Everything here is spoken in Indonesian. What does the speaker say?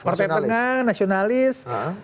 partai tengah nasionalis